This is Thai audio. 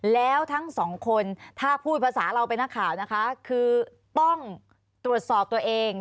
แล้วทั้งสองคนถ้าพูดภาษาเราเป็นนักข่าวนะคะคือต้องตรวจสอบตัวเอง